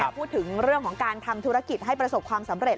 พูดถึงเรื่องของการทำธุรกิจให้ประสบความสำเร็จ